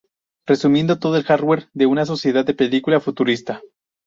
Resumiendo, todo el hardware de una sociedad de película futurista.